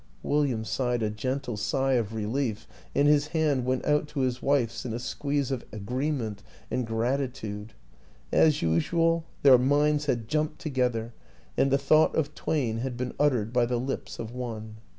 " William sighed a gentle sigh of relief, and his hand went out to his wife's in a squeeze of agree ment and gratitude. As usual, their minds had jumped together and the thought of twain had been uttered by the lips of one.